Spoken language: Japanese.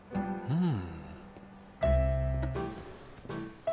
うん。